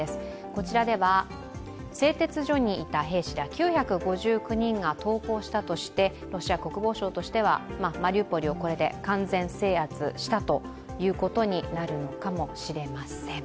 こちらでは製鉄所にいた兵士ら９５９人投降したとしてロシア国防省としてはマリウポリをこれで完全制圧したということになるのかもしれません。